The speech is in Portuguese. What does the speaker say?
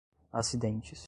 acidentes